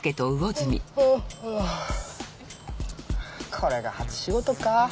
これが初仕事かぁ。